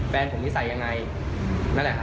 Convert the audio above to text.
แฟนผมนิสัยยังไงนั่นแหละครับ